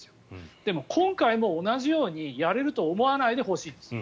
でも、今回も同じようにやれると思わないでほしいです。